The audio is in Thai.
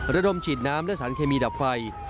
ระดมฉีดน้ำและสารเคมีดับไฟ